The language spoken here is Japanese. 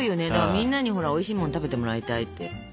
みんなにほらおいしいもん食べてもらいたいって思うさ